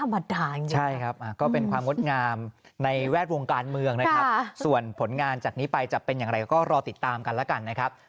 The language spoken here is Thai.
แม่ทั้งสวยทั้งเก่งเกินไปหมุย